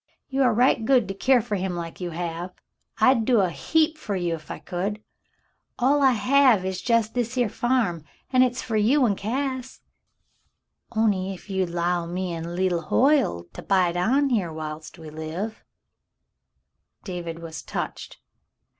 "You are right good to keer fer him like you have. I'd do a heap fer you ef I could. All I have is jest this here farm, an' hit's fer you an' Cass. On'y ef ye'd 'low me an* leetle Hoyle to bide on here whilst we live —" David was touched.